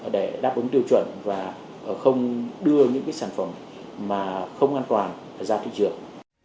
để đáp ứng tiêu chuẩn và không đưa những cái sản phẩm mà không an toàn ra trị trường